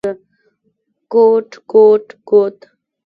کوټ کوټ کوت…